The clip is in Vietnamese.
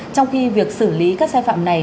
trong khi việc xử lý các sai phạm này